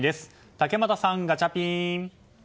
竹俣さん、ガチャピン！